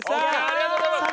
ありがとうございます。